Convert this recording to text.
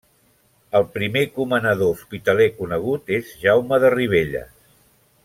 El primer comanador hospitaler conegut és Jaume de Ribelles.